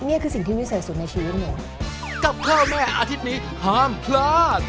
นี่คือสิ่งที่วิเศษสุดในชีวิตหนู